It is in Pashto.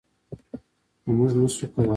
خو موږ نشو کولی.